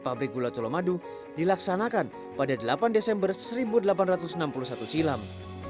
pabrik gula colomadu dilaksanakan pada delapan desember seribu delapan ratus enam puluh satu silam